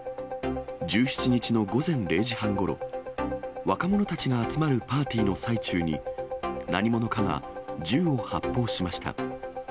１７日の午前０時半ごろ、若者たちが集まるパーティーの最中に、何者かが銃を発砲しました。